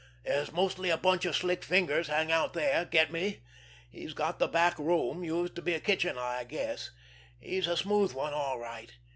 There's mostly a bunch of slick fingers hang out there. Get me? He's got the back room—used to be the kitchen, I guess. He's a smooth one, all right!